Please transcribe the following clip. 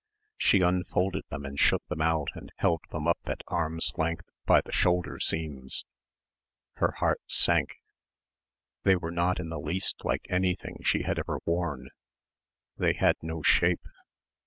She unfolded them and shook them out and held them up at arms' length by the shoulder seams. Her heart sank. They were not in the least like anything she had ever worn. They had no shape.